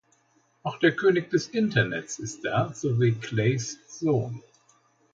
Auch der König des Internets ist da sowie Clays Sohn.